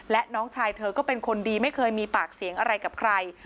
และน้องชายเธอก็เป็นคนดีไม่เคยมีปากเสียงอะไรกับใคร